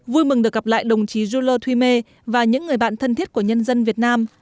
vui mừng được gặp lại đồng chí yulo thuy mê và những người bạn thân thiết của nhân dân việt nam